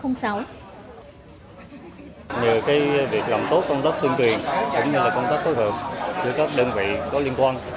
nhờ việc làm tốt công tác tuyên truyền cũng như là công tác phối hợp giữa các đơn vị có liên quan